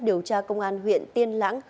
điều tra công an huyện tiên lãng